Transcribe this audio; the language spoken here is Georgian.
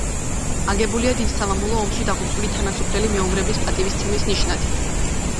აგებულია დიდ სამამულო ომში დაღუპული თანასოფლელი მეომრების პატივისცემის ნიშნად.